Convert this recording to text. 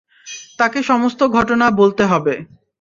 তাকে সমস্ত ঘটনা বলতে হবে।